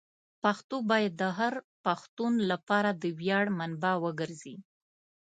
پښتو باید د هر پښتون لپاره د ویاړ منبع وګرځي.